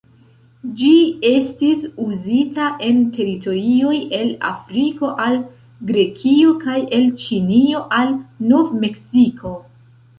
Ĝi estis uzita en teritorioj el Afriko al Grekio kaj el Ĉinio al Nov-Meksiko.